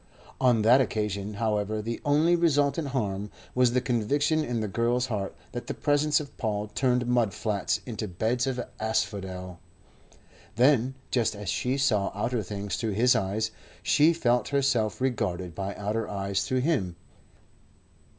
On that occasion, however, the only resultant harm was the conviction in the girl's heart that the presence of Paul turned mud flats into beds of asphodel. Then, just as she saw outer things through his eyes, she felt herself regarded by outer eyes through him.